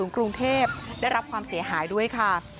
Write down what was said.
กรุงเทพได้รับความเสียหายด้วยค่ะ